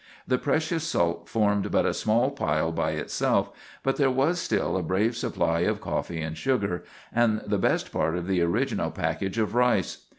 The precious salt formed but a small pile by itself, but there was still a brave supply of coffee and sugar, and the best part of the original package of rice.